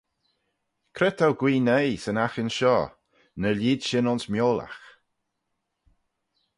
Cre t'ou guee noi 'syn aghin shoh: ny leeid shin ayns miolagh?